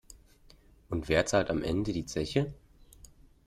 Und wer zahlt am Ende die Zeche?